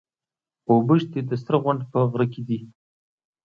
اوبښتي د سره غونډ په غره کي دي.